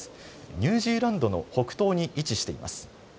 ニュージーランドの北東に位置しています。